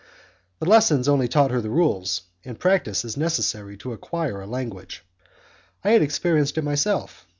The lessons only taught her the rules, and practice is necessary to acquire a language. I have experienced it myself.